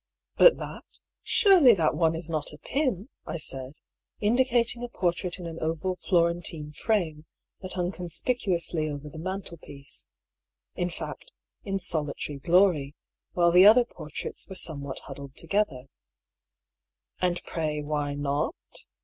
" But that ? Surely that one is not a Pym !" I said, indicating a portrait in an oval Florentine frame that hung conspicuously over the mantelpiece — in fact, in solitary glory, while the other portraits were somewhat huddled together. " And pray, why not?"